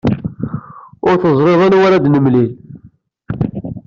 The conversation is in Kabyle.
Ur teẓrid anwa ara d-nemlil.